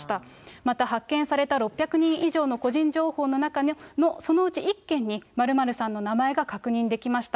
また発見された６００人以上の個人情報の中のそのうち１件に○○さんの名前が確認できました。